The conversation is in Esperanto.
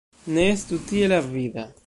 Ne estu tiel avida.